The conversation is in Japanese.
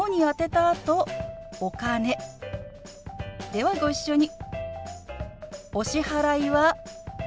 ではご一緒に。